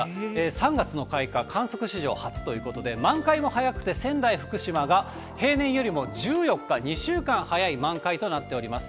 ３月の開花、観測史上初ということで、満開も早くて、仙台、福島が平年よりも１４日、２週間早い満開となっております。